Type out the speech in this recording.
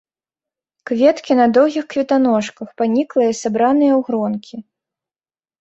Кветкі на доўгіх кветаножках, паніклыя, сабраныя ў гронкі.